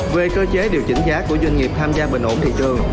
về cơ chế điều chỉnh giá của doanh nghiệp tham gia bình ổn thị trường